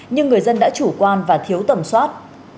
nhưng người dân đã chủ quan và thiếu tầm soát